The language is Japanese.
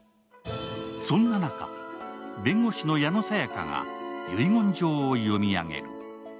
そんな中、弁護士の矢野沙耶香が遺言状を読み上げる。